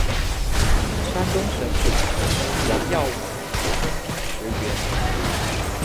山东省主席王耀武增兵驰援。